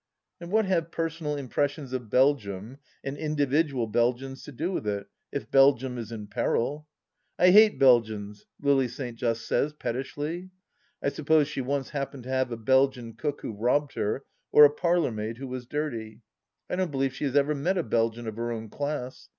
And what have personal impressions of Belgium and individual Belgians to do with it — if Belgium is in peril ?..." I hate Belgians !" Lily St. Just says, pettishly. I sup pose she once happened to have a Belgian cook who robbed her, or a parlourmaid who was dirty. I don't believe she has ever met a Belgian of her own class.